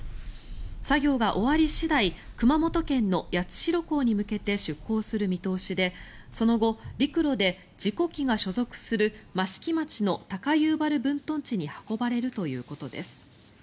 作業が終わり次第熊本県の八代港に向けて出航する見通しでその後、陸路で事故機が所属する益城町の高遊原分屯地に運ばれるということです。